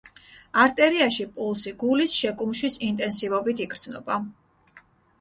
არტერიაში პულსი გულის შეკუმშვის ინტენსივობით იგრძნობა.